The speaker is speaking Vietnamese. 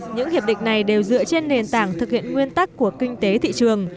những hiệp định này đều dựa trên nền tảng thực hiện nguyên tắc của kinh tế thị trường